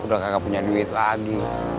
udah gak punya duit lagi